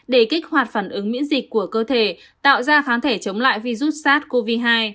để kích hoạt phản ứng miễn dịch của cơ thể tạo ra kháng thể chống lại virus sars cov hai